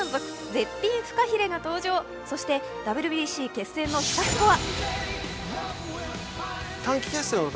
絶品フカヒレが登場、そしてＷＢＣ決戦の秘策とは？